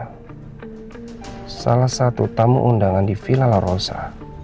ini salah satu tamu undangan di villa la rosa